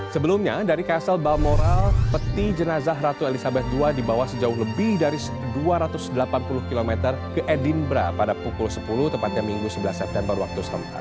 sebelumnya dari castle balmoral peti jenazah ratu elizabeth ii dibawa sejauh lebih dari dua ratus delapan puluh km ke edinbra pada pukul sepuluh tepatnya minggu sebelas september waktu setempat